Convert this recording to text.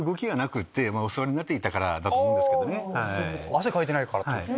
汗かいてないからってこと。